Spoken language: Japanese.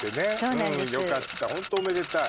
よかったホントおめでたい。